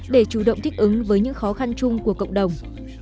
để chủ động thích ứng với những khó khăn chung của cộng đồng